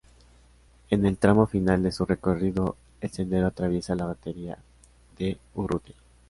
En el tramo final de su recorrido, el sendero atraviesa la Batería de Urrutia.